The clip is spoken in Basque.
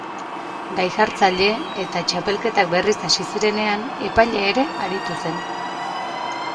Gai-jartzaile eta, txapelketak berriz hasi zirenean, epaile ere aritu zen.